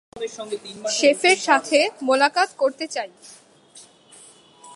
শেফের সাথে মোলাকাত করতে চাই।